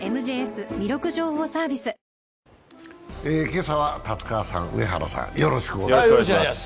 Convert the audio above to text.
今朝は達川さん、上原さん、よろしくお願いします。